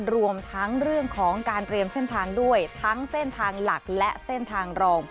รวมทั้งเรื่องของการเตรียมเส้นทางด้วยทั้งเส้นทางหลักและเส้นทางรอง